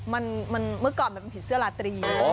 มันเมื่อก่อนมันเป็นผีเสื้อลาตรี